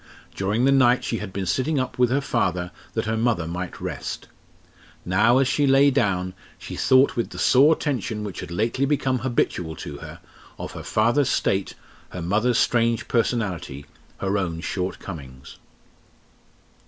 During the night she had been sitting up with her father that her mother might rest. Now, as she lay down, she thought with the sore tension which had lately become habitual to her, of her father's state, her mother's strange personality, her own short comings.